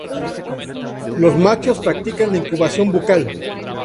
Los machos practican la incubación bucal.